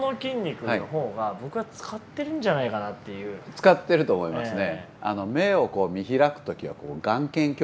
使ってると思いますね。